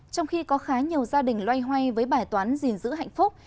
trong khi có khá nhiều gia đình loay hoay với bài toán gìn giữ hạnh phúc